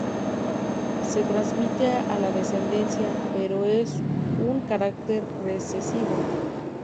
Se transmite a la descendencia, pero es un carácter recesivo.